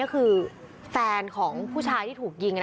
ก็คือแฟนของผู้ชายที่ถูกยิง